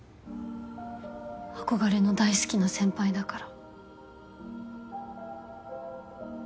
憧れの大好きな先輩だから。